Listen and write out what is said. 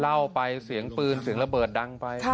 เล่าไปเสียงปืนเสียงระเบิดดังไป